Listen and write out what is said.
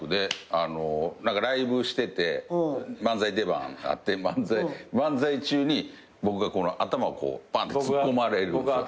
ライブしてて漫才出番あって漫才中に僕が頭をパンってツッコまれるんですよ。